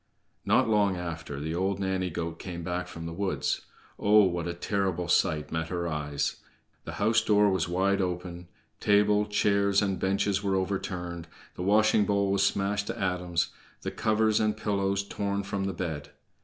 Not long after the old nanny goat came back from the woods. Oh, what a terrible sight met her eyes! The house door was wide open, table, chairs, and benches were overturned, the washing bowl was smashed to atoms, the covers and pillows torn from the bed.